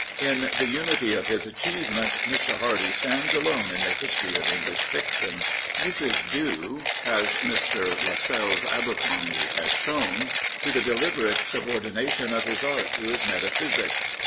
In the unity of his achievement Mr. Hardy stands alone in the history of English fiction. This is due, as Mr. Lascelles Abercromby has shown, to the deliberate subordination of his art to his metaphysic.